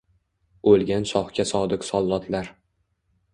Oʻlgan shohga sodiq sollotlar